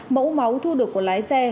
mẫu máu thu được của lái xe